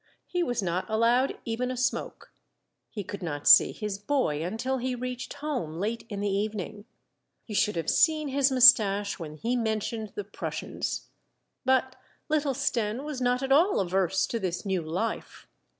He was not allowed even a smoke. He could not see his boy until he reached home, late in the evening. You should have seen his mustache when he mentioned the Prussians ! but little Stenne was not at all averse to this new Hfe.